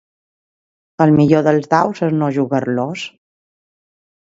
El millor dels daus és no jugar-los.